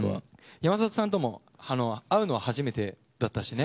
山里さんとも会うのは初めてだったしね。